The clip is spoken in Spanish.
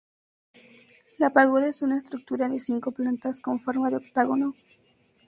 La Pagoda es una estructura de cinco plantas con forma de octágono.